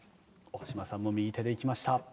大島さんも右手でいきました。